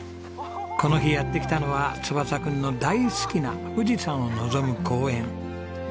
この日やって来たのは翼くんの大好きな富士山を望む公園。